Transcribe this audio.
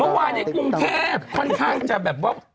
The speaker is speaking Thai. เมื่อวานนี้กรุงเทพค่อนข้างจะแบบว่า